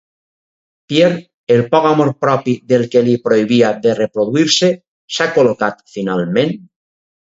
Pierre, el poc amor propi del qual li prohibia de reproduir-se, s'ha col·locat finalment?